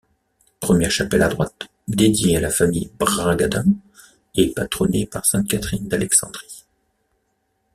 Première chapelle à droite, dédiée à la famille Bragadin, et patronnée par sainte-Catherine d’Alexandrie.